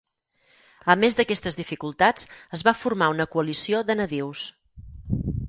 A més d'aquestes dificultats, es va formar una coalició de nadius.